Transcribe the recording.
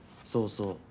そうそう。